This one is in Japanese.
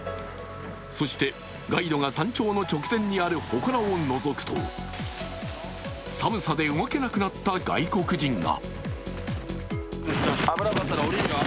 そしてガイドが山頂の直前にあるほこらをのぞくと寒さで動けなくなった外国人が。